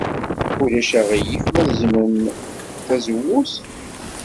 Ulac aɣilif ma treẓmem tazewwut?